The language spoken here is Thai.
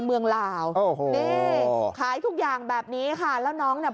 ลาวโอ้โหนี่ขายทุกอย่างแบบนี้ค่ะแล้วน้องเนี่ย